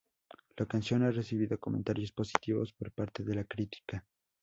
La canción ha recibido comentarios positivos por parte de la crítica.